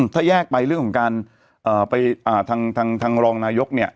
ถ้าแยกไปเรื่องของการไปทางรองนายกเนี่ย